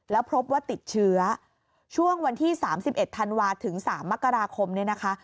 แล้วพบว่าติดเชื้อช่วงวันที่๓๑ธันวาถึง๓มกราคมเนี่ยนะคะ